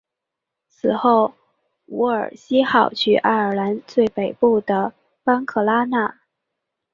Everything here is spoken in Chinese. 此后伍尔西号去爱尔兰最北部的班克拉纳。